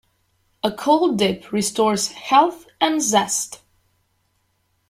A cold dip restores health and zest.